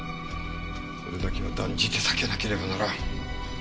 それだけは断じて避けなければならん。